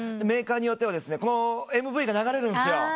メーカーによってはこのＭＶが流れるんすよ。